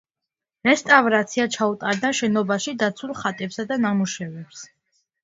რესტავრაცია ჩაუტარდა შენობაში დაცულ ხატებსა და ნამუშევრებს.